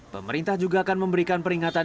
pemerintah juga akan memberikan peringatan